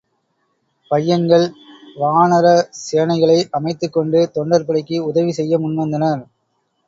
பையன்கள் வானரசேனைகளை அமைத்துக்கொண்டு தொண்டர் படைக்கு உதவி செய்ய முன்வந்தனர்.